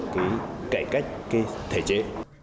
cái cải cách cái thể chế